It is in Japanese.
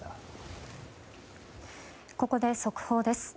ここで速報です。